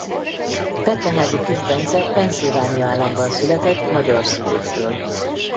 Petneházy Kiss Bence Pennsylvania államban született magyar szülőktől.